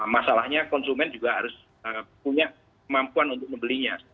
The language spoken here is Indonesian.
masalahnya konsumen juga harus punya kemampuan untuk membelinya